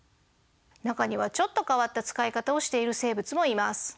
中にはちょっと変わった使い方をしている生物もいます。